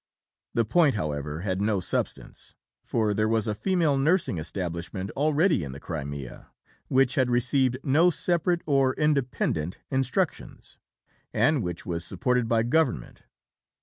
The point, however, had no substance; for there was a female nursing establishment already in the Crimea, which had received no separate or independent instructions, and which was yet supported by Government.